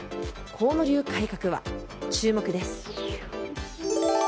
河野流改革は、注目です。